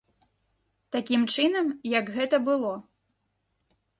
Такім чынам, як гэта было.